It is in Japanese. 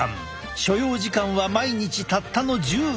所要時間は毎日たったの１０秒。